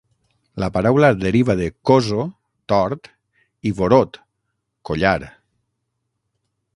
La paraula deriva de "koso", tort, i "vorot", collar.